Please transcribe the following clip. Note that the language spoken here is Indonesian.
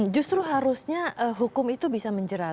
justru harusnya hukum itu bisa menjerat